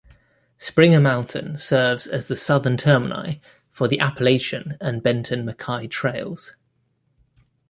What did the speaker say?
Springer Mountain serves as the southern termini for the Appalachian and Benton MacKaye trails.